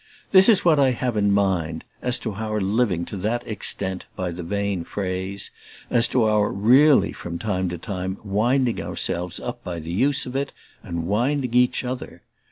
This is what I have in mind as to our living to that extent by the vain phrase; as to our really from time to time winding ourselves up by the use of it, and winding each other.